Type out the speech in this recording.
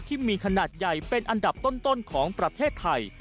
ที่มีขนาดใหญ่เป็นอันดับต้นของประเทศไทย